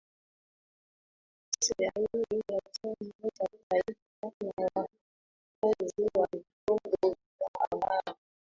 maslahi ya chama cha taifa na wafanyakazi wa vyombo vya habari